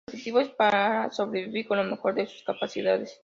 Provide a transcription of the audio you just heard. El objetivo es para sobrevivir con lo mejor de sus capacidades.